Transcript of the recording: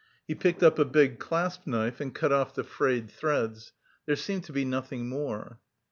He picked up a big claspknife and cut off the frayed threads. There seemed to be nothing more.